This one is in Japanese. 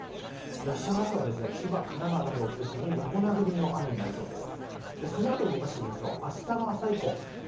あしたの朝は千葉、神奈川などを中心に横殴りの雨になりそうです。